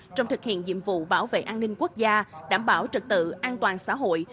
trong thực hiện nhiệm vụ bảo vệ an ninh quốc gia đảm bảo trật tự an toàn xã hội